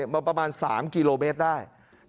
มาประมาณ๓กิโลเมตรได้